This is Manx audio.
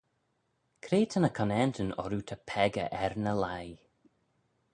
Cre ta ny conaantyn orroo ta peccah er ny leih?